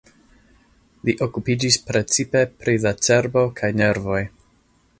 Li okupiĝis precipe pri la cerbo kaj nervoj.